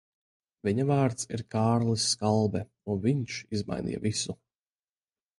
Viņa vārds ir Kārlis Skalbe, un viņš izmainīja visu.